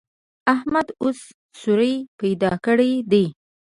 احمد اوس سوری پیدا کړی دی.